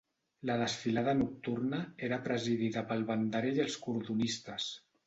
La desfilada nocturna era presidida pel banderer i els cordonistes.